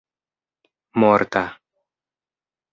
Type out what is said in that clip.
morta